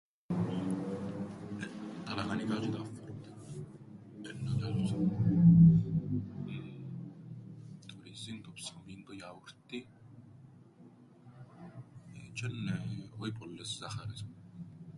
Τα λαχανικά τζ̆αι τα φρούτα εννά λαλούσα, το ρύζιν, το ψωμίν, το γιαούρτιν, τζ̆αι νναι, όι πολλές ζάχαρες.